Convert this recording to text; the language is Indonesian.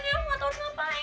aku gak tau ngapain